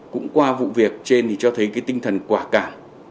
cũng qua vụ việc trên thì cho thấy cái tinh thần quả cảm